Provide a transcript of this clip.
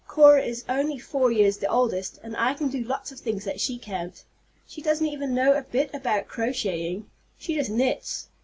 Cora is only four years the oldest, and I can do lots of things that she can't. She doesn't know a bit about crocheting. She just knits.